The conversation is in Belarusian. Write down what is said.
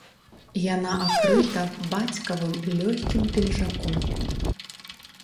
Яна акрыта бацькавым лёгкім пінжаком.